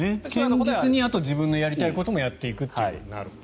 堅実に自分のやりたいこともやっているという感じ。